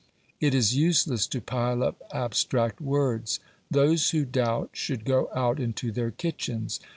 It is useless to pile up abstract words. Those who doubt should go out into their kitchens.